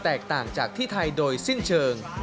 ต่างจากที่ไทยโดยสิ้นเชิง